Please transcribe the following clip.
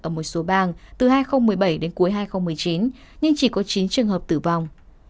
ở một số bang từ hai nghìn một mươi bảy đến cuối hai nghìn một mươi chín nhưng chỉ có chín trường hợp tử vong